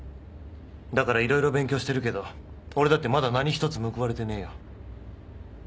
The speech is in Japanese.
だからいろいろ勉強してるけど俺だってまだ何一つ報われてねえよ。